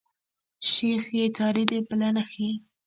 شيخ ئې څاري د پله نخښي